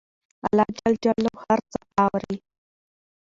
الله ج هر څه اوري